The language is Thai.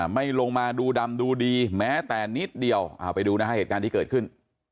ไม่ลงมาดูดำดูดีแม้แต่นิดเดียวไปดูนะฮะเหตุการณ์ที่เกิดขึ้น